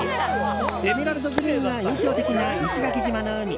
エメラルドグリーンが印象的な石垣島の海。